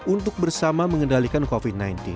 untuk bersama mengendalikan covid sembilan belas